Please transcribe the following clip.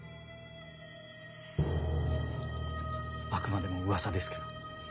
あくまでもうわさですけど。